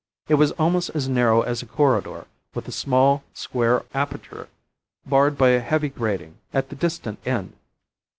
It was almost as narrow as a corridor, with a small square aperture, barred by a heavy grating, at the distant end.